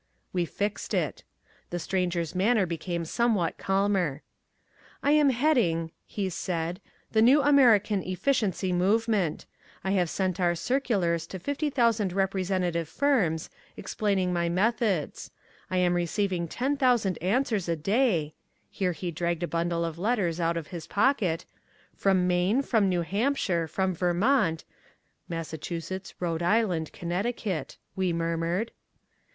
We fixed it. The Stranger's manner became somewhat calmer. "I am heading," he said, "the new American efficiency movement. I have sent our circulars to fifty thousand representative firms, explaining my methods. I am receiving ten thousand answers a day" here he dragged a bundle of letters out of his pocket "from Maine, from New Hampshire, from Vermont," "Massachusetts, Rhode Island, Connecticut," we murmured.